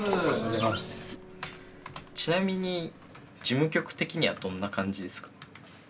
ちなみに事務局的にはどんな感じですか？